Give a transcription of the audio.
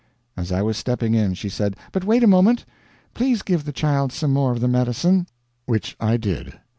As I was stepping in she said: "But wait a moment. Please give the child some more of the medicine." Which I did.